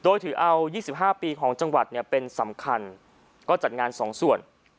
โดยถือเอา๒๕ปีของจังหวัดเนี่ยเป็นสำคัญก็จัดงาน๒ส่วน